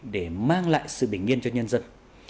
để mang lại sự bình yên cho nhân dân